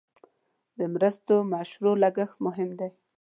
د مرستو مشروع لګښت مهم دی.